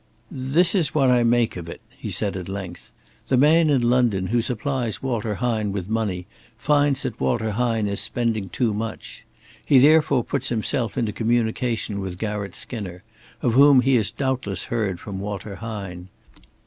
"This is what I make of it," he said at length. "The man in London who supplies Walter Hine with money finds that Walter Hine is spending too much. He therefore puts himself into communication with Garratt Skinner, of whom he has doubtless heard from Walter Hine.